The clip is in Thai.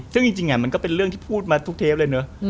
ซึ่งจริงมันก็เป็นเรื่องที่พูดมาทุกเทปเลยเนอะ